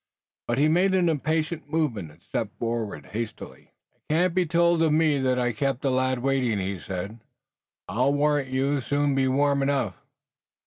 But he made an impatient movement, and stepped forward hastily. "It can't be told of me that I kept a lad waiting," he said. "I'll warrant you you'll soon be warm enough."